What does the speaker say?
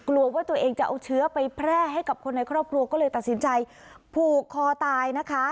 กลัวว่าตัวเองจะเอาเชื้อไปแพร่ให้กับคนในครอบครัวก็เลยตัดสินใจผูกคอตายนะคะ